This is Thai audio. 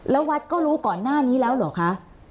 แล้ววัดก็รู้ก่อนหน้านี้แล้วเหรอคะ